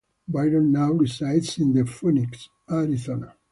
Byron now resides in the Phoenix, Arizona.